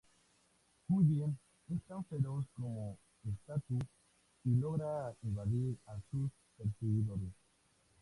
Cullen es tan feroz como astuto, y logra evadir a sus perseguidores.